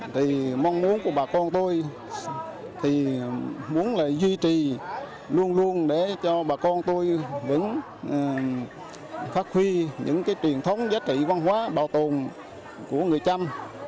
thì mong muốn của bà con tôi thì muốn là duy trì luôn luôn để cho bà con tôi vẫn phát huy những cái truyền thống giá trị văn hóa bảo tồn của người trăm